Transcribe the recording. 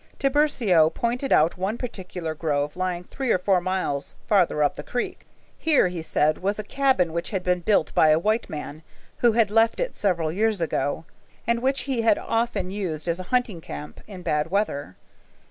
Tiburcio pointed out one particular grove lying three or four miles farther up the creek. Here he said was a cabin which had been built by a white man who had left it several years ago, and which he had often used as a hunting camp in bad weather.